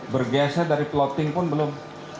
bergesa dari plotting pun belum